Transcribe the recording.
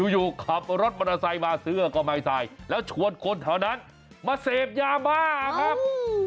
อยู่ขับรถมอเตอร์ไซค์มาเสื้อก็ไม่ใส่แล้วชวนคนแถวนั้นมาเสพยาบ้าครับ